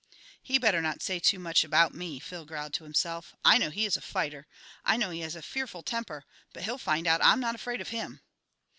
"He'd better not say too much about me," Phil growled to himself. "I know he is a fighter. I know he has a fearful temper. But he'll find out I'm not afraid of him."